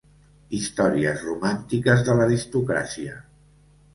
Històries romàntiques de l'aristocràcia.